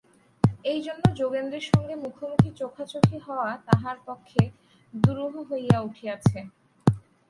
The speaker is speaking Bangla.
এইজন্য যোগেন্দ্রের সঙ্গে মুখোমুখি-চোখোচোখি হওয়া তাহার পক্ষে দুরূহ হইয়া উঠিয়াছে।